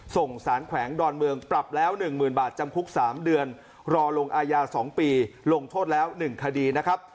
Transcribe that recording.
ส่งสารแขวงดอนเมืองปรับแล้ว๑๐๐๐บาทจำคุก๓เดือนรอลงอายา๒ปีลงโทษแล้ว๑คดีนะครับ